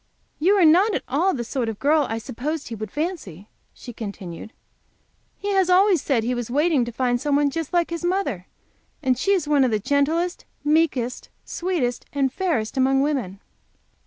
"You are not at all the sort of a girl I supposed he would fancy," she continued. "He always has said he was waiting to find some one just like his mother, and she is one of the gentlest, meekest, sweetest, and fairest among women."